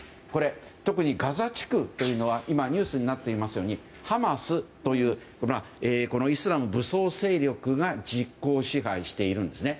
特にガザ地区というのはニュースになっていますようにハマスというイスラム武装勢力が実効支配しているんですね。